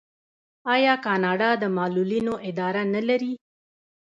آیا کاناډا د معلولینو اداره نلري؟